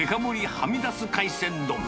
はみ出す海鮮丼。